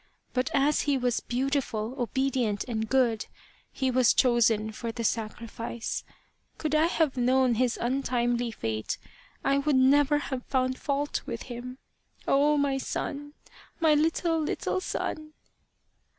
But as he was beautiful, obedient, and good, he was chosen for the sacrifice. Could I have known his untimely fate I would never have found fault with him. Oh, my son, my little, little son